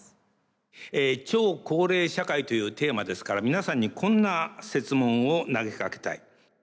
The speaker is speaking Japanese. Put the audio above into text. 「超高齢社会」というテーマですから皆さんにこんな設問を投げかけたい。